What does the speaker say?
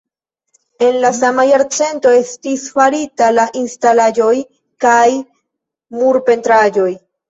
En la sama jarcento estis faritaj la instalaĵoj kaj murpentraĵoj.